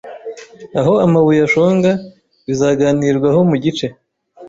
aho amabuye ashonga bizaganirwaho mugice